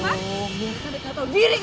kau lepasin kak kau lepasin sakit kak